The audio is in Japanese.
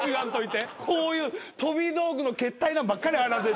こういう飛び道具のけったいなんばっかり。